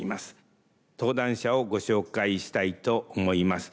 登壇者をご紹介したいと思います。